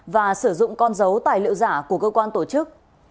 và sử dụng con dấu tài liệu giả của cơ quan tổ chức